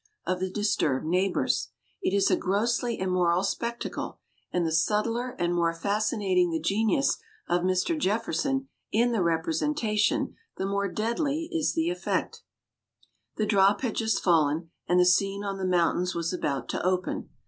of the disturbed neighbors; "it is a grossly immoral spectacle, and the subtler and more fascinating the genius of Mr. Jefferson in the representation, the more deadly is the effect." The drop had just fallen, and the scene on the mountains was about to open.